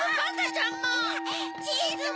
チーズも！